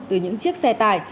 từ những chiếc xe tải